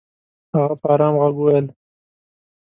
هغه په ارام ږغ وويل.